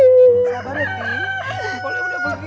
sabar ya ti